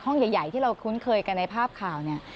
ใหญ่ที่เราคุ้นเคยกันในภาพข่าวเนี่ย